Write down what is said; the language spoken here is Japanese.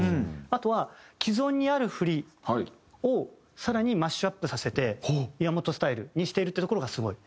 あとは既存にある振りを更にマッシュアップさせて岩本スタイルにしているっていうところがすごい。